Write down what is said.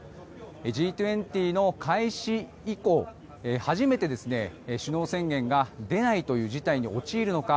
Ｇ２０の開始以降初めて首脳宣言が出ないという事態に陥るのか。